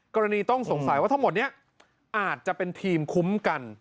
กรณีต้องสงสัยว่าทั้งหมดนี้อาจจะเป็นทีมคุ้มกัน